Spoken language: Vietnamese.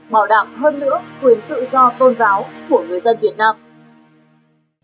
bảo đảm hơn nữa quyền tự do tôn giáo của người dân việt nam